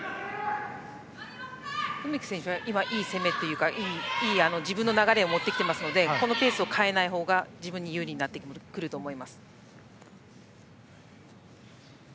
梅木選手は今、いい攻めというかいい自分の流れを持ってきていますのでこのペースを変えない方が自分に有利になってきます。